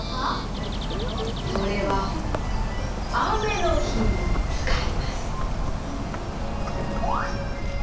それはあめのひにつかいます。